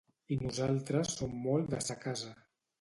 I nosaltres som molt de sa casa